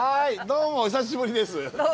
どうもお久しぶりです。